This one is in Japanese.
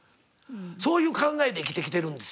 そういう考えで生きてきてるんですよ。